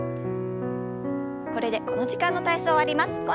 これでこの時間の体操終わります。